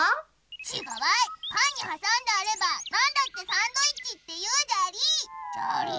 ちがうわいパンにはさんであればなんだってサンドイッチっていうじゃりー。